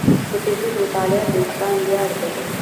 د فزیک مطالعه د انسان ویاړ دی.